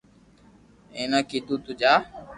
اينآ ڪيدو تو جا